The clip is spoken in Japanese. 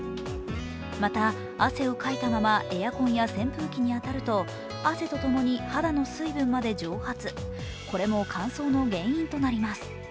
また、汗をかいたままエアコンや扇風機に当たると汗とともに肌の水分まで蒸発、これも乾燥の原因となります。